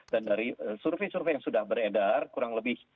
dan dari survei survei yang sudah beredar kurang lebih